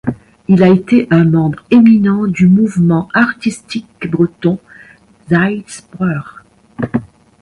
Il a été un membre éminent du mouvement artistique breton Seiz Breur.